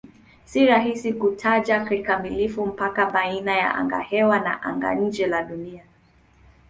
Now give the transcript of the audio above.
Si rahisi kutaja kikamilifu mpaka baina ya angahewa na anga-nje la Dunia.